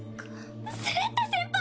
スレッタ先輩！